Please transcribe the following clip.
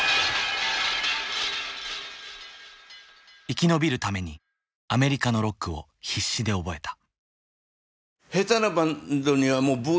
生き延びるためにアメリカのロックを必死で覚えた。